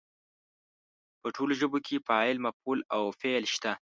په ټولو ژبو کې فاعل، مفعول او فعل شته.